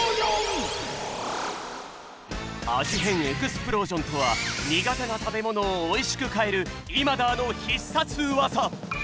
変エクスプロージョンとは苦手な食べものをおいしく変えるイマダーの必殺技。